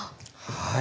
はい。